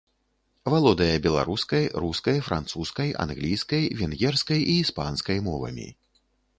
Валодае беларускай, рускай, французскай, англійскай, венгерскай і іспанскай мовамі.